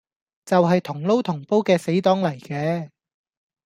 就係同撈同煲嘅死黨嚟嘅